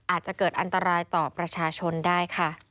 อาจจะเกิดอันตรายต่อประชาชนได้ค่ะ